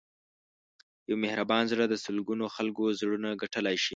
یو مهربان زړه د سلګونو خلکو زړونه ګټلی شي.